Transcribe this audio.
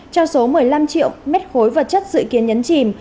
cho số một mươi năm triệu mét khối vật chất dự kiến nhấn chỉn